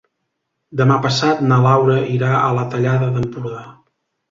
Demà passat na Laura irà a la Tallada d'Empordà.